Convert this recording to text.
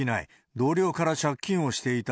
同僚から借金をしていた。